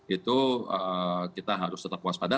dua ribu dua puluh dua itu kita harus tetap puas pada